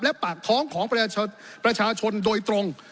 และปากท้องของประชาชนโดยตรง